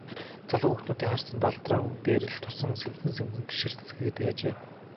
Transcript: Залуу хүүхнүүдийн харц ч Балдан дээр л тусан сэмхэн сэмхэн ширтэцгээдэг ажээ.